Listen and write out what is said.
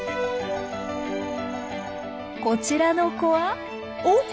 こちらの子はおっ？